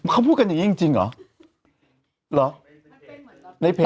เขาพูดกันอย่างนี้จริงเหรอ